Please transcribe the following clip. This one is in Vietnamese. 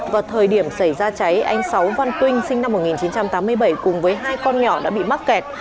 vào thời điểm xảy ra cháy anh sáu văn quynh sinh năm một nghìn chín trăm tám mươi bảy cùng với hai con nhỏ đã bị mắc kẹt